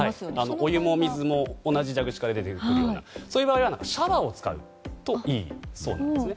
お湯も水も同じ蛇口から出てくる場合はシャワーを使うといいそうです。